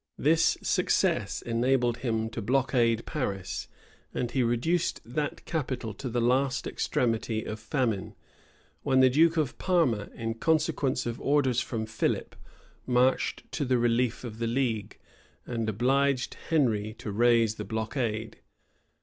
This success enabled him to blockade Paris, and he reduced that capital to the last extremity of famine; when the duke of Parma, in consequence of orders from Philip, marched to the relief of the league, and obliged Henry to raise the blockade.